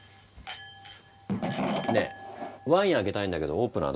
ねえワイン開けたいんだけどオープナーどこ？